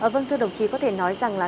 vâng thưa đồng chí có thể nói là